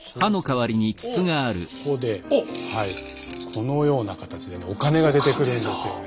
このような形でお金が出てくるんですよね。